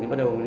thì bắt đầu